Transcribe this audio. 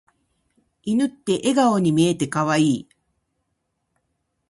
犬って笑顔に見えて可愛い。